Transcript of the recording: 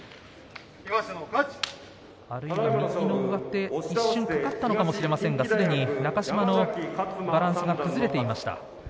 あるいは右の上手、一瞬掛かったのかもしれませんがすでに、中島のバランスが崩れていました。